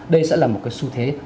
đây sẽ là một cái xu thế